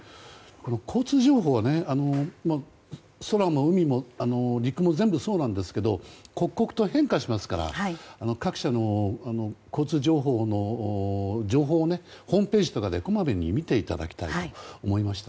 交通情報は空も海も陸も全部そうですけど刻々と変化しますから各社の交通情報をホームページなどでこまめに見ていただきたいと思いました。